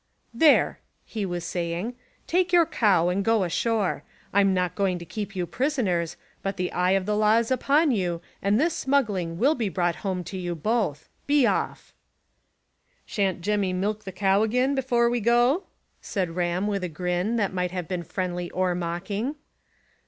"There," he was saying, "take your cow and go ashore. I'm not going to keep you prisoners, but the eye of the law is upon you, and this smuggling will be brought home to you both. Be off!" "Shan't Jemmy milk the cow again before we go?" said Ram, with a grin, that might have been friendly or mocking.